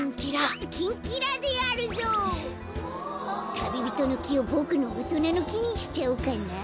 タビビトノキをボクのおとなのきにしちゃおうかな。